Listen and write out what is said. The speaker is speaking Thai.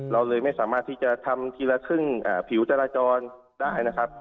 เราเลยไม่สามารถที่จะทำทีละครึ่งผิวจราจรได้นะครับ